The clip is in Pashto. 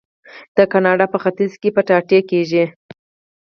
د کاناډا په ختیځ کې کچالو کیږي.